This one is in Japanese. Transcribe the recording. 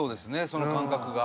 その感覚が。